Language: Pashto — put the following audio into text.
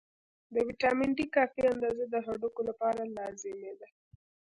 د ویټامین D کافي اندازه د هډوکو لپاره لازمي ده.